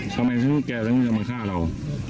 ทำไมทั้งแกทั้งทั้งจะมาฆ่าเรา